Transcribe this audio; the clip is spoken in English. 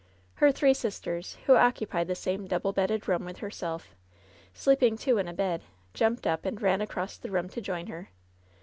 Her three sisters, who occupied the same double bedded room with herself, sleeping two in a bed, jumped up and ran across the room to join her.